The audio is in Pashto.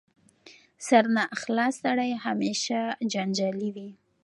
سرناخلاصه سړی همېشه جنجالي وي.